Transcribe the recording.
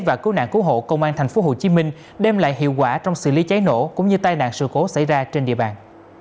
và cứu nạn cứu hộ công an tp hcm đem lại hiệu quả trong xử lý cháy nổ cũng như tai nạn sự cố xảy ra trên địa bàn